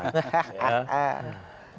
jadi belum tentu juga ya